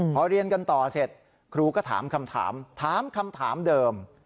พอเรียนกันต่อเสร็จครูก็ถามคำถามถามคำถามเดิม